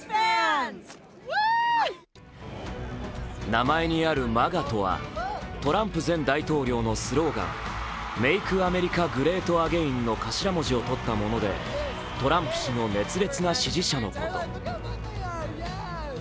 名前にあるＭＡＧＡとはトランプ前大統領のスローガン、メイク・アメリカ・グレート・アゲインの頭文字をとったものでトランプ氏の熱烈な支持者のこと。